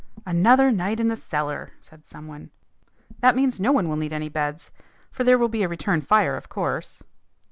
"Another night in the cellar!" said some one. "That means no one will need any beds, for there will be a return fire, of course."